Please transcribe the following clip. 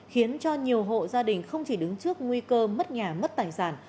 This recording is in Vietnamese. khiến cho nhiều hộ gia đình không chỉ đứng trước nguy cơ mất nhà mất tài sản